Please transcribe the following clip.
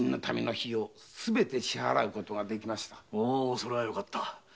それはよかった。